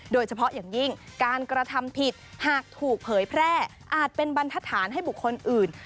โดยเฉพาะอย่างยิ่งการกระทำผิดหากถูกเผยแพร่อาจเป็นบรรทฐานให้บุคคลอื่น